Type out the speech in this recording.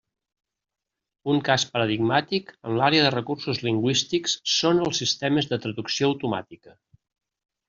Un cas paradigmàtic en l'àrea de recursos lingüístics són els sistemes de traducció automàtica.